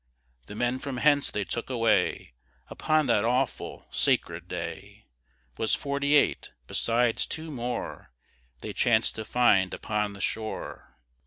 The men from hence they took away, Upon that awful sacred day, Was forty eight, besides two more They chanc'd to find upon the shore.